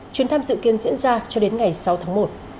chuyến thăm dự kiến diễn ra cho đến ngày sáu tháng một